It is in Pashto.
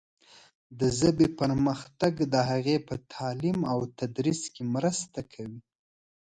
د ژبې پرمختګ د هغې په تعلیم او تدریس کې مرسته کوي.